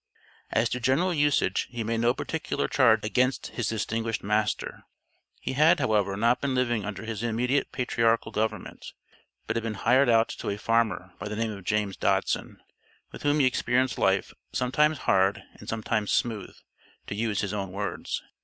As to general usage, he made no particular charge against his distinguished master; he had, however, not been living under his immediate patriarchal government, but had been hired out to a farmer by the name of James Dodson, with whom he experienced life "sometimes hard and sometimes smooth," to use his own words.